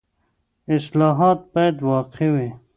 اصلاحات باید واقعي وي.